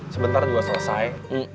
sebentar juga selesai